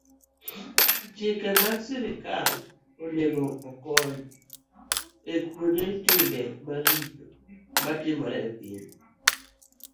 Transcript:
Chike mag sirkal onego okony e kwedo timbe maricho matimore e piny.